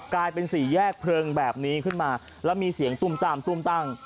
กลายเป็นสี่แยกเพลิงแบบนี้ขึ้นมาแล้วมีเสียงตุ้มตามตุ้มตั้ง